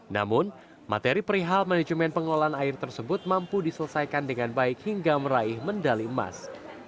namun materi perihal manajemen pengelolaan air tersebut mampu diselesaikan dengan baik hingga meraih medali emas